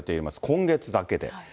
今月だけで。